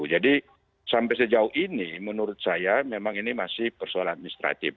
jadi sampai sejauh ini menurut saya memang ini masih persoalan administratif